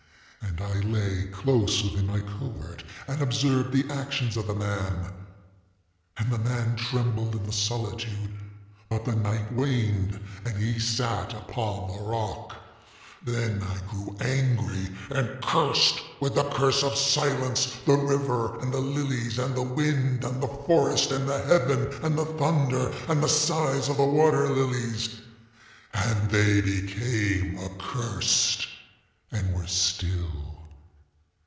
And I lay close within my covert and observed the actions of the man. And the man trembled in the solitude; ŌĆöbut the night waned and he sat upon the rock. ŌĆ£Then I grew angry and cursed, with the curse of silence, the river, and the lilies, and the wind, and the forest, and the heaven, and the thunder, and the sighs of the water lilies. And they became accursed, and were still.